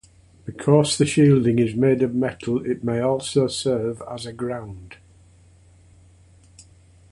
Because the shielding is made of metal, it may also serve as a ground.